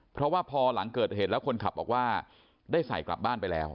เพราะว่าพอหลังเกิดเหตุแล้วคนขับบอกว่าได้ใส่กลับบ้านไปแล้ว